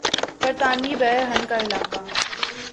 برطانوی بحر ہند کا علاقہ